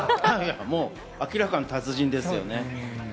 明らかに達人ですよね。